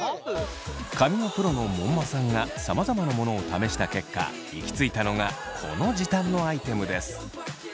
髪のプロの門馬さんがさまざまなものを試した結果行き着いたのがこの時短のアイテムです。